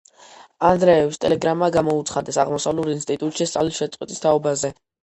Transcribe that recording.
ანდრეევის ტელეგრამა გამოუცხადეს, აღმოსავლურ ინსტიტუტში სწავლის შეწყვეტის თაობაზე.